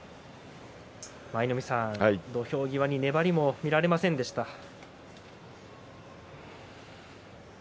舞の海さん、土俵際に粘りも見られませんでしたね。